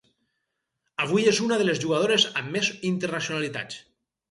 Avui és una de les jugadores amb més internacionalitats.